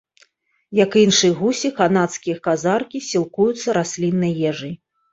Як і іншыя гусі, канадскія казаркі сілкуюцца расліннай ежай.